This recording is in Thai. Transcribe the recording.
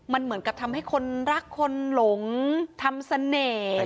มันเหมือนกับทำให้คนรักคนหลงทำเสน่ห์